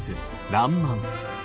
「らんまん」。